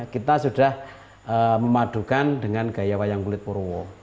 kita sudah memadukan dengan gaya wayang kulit purwo